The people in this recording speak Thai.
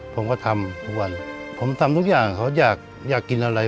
ผมก็ทำทุกวันผมทำทุกอย่างเขาอยากกินอะไร